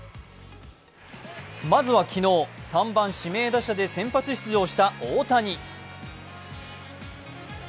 まずは昨日、３番・指名打者で先発出場した大谷。